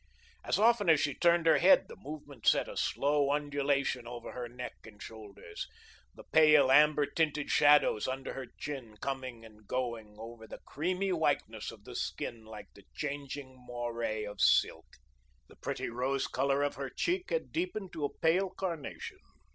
As often as she turned her head the movement sent a slow undulation over her neck and shoulders, the pale amber tinted shadows under her chin, coming and going over the creamy whiteness of the skin like the changing moire of silk. The pretty rose colour of her cheek had deepened to a pale carnation.